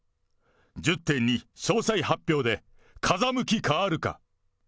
１０・２詳細発表で、風向き変わるか。